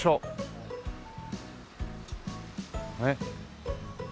ねっ。